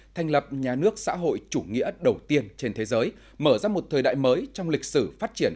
thành lập nhà nước xã hội chủ nghĩa đầu tiên trên thế giới mở ra một thời đại mới trong lịch sử phát triển